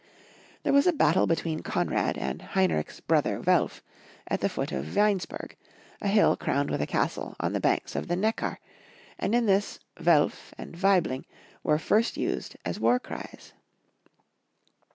There was a battle between Konrad and Heinrich's brother Welf, at the foot of Weinsberg, a hill crowned with a castle, on the banks of the Neckar, and in this "Welf" and "Waibling" were first used as war cries.